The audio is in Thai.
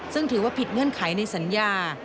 ซึ่งถือว่าผิดเงื่อนไขในสัญญา